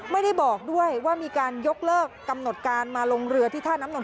ไม่ได้บอกด้วยว่ามีการยกเลิกกำหนดการมาลงเรือที่ท่าน้ำนนท